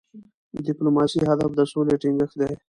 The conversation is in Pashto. د ډيپلوماسی هدف د سولې ټینګښت دی.